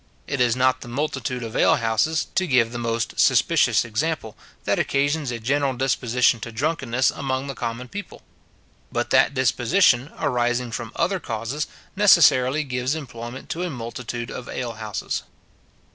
It is not the multitude of alehouses, to give the must suspicious example, that occasions a general disposition to drunkenness among the common people; but that disposition, arising from other causes, necessarily gives employment to a multitude of alehouses.